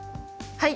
はい。